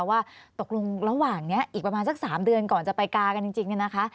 ว่าตกลงระหว่างนี้อีกประมาณสัก๓เดือนก่อนจะไปกากันจริงเนี่ยนะคะ